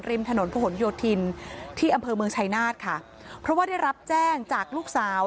ริมถนนพระหลโยธินที่อำเภอเมืองชายนาฏค่ะเพราะว่าได้รับแจ้งจากลูกสาว